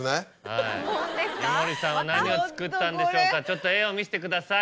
井森さんは何を作ったんでしょうちょっと絵を見せてください。